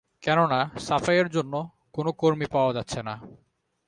কেন না সাফাইয়ের জন্য কোনো কর্মী পাওয়া যাচ্ছে না।